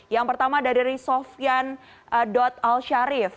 yang pertama dari sofian alsyarif